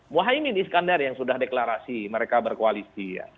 muhaymin iskandar yang sudah deklarasi mereka berkoalisi